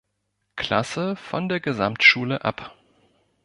Klasse von der Gesamtschule ab.